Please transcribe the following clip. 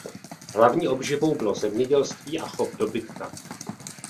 Hlavní obživou bylo zemědělství a chov dobytka.